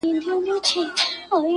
پر پاتا یې نصیب ژاړي په سرو سترګو-